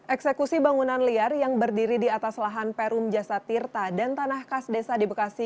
eksekusi bangunan liar yang berdiri di atas lahan perum jasa tirta dan tanah khas desa di bekasi